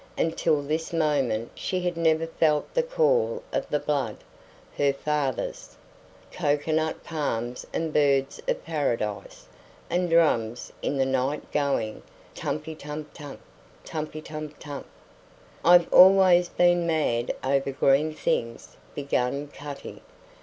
Until this moment she had never felt the call of the blood her father's. Cocoanut palms and birds of paradise! And drums in the night going tumpi tum tump! tumpi tum tump! "I've always been mad over green things," began Cutty.